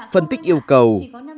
phân tích yêu cầu